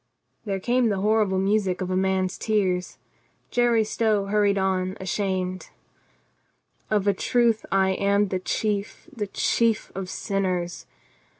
..." There came the horrible music of a man's tears. Jerry Stow hurried on, ashamed. ... "Of a truth I am the chief, the chief of sinners.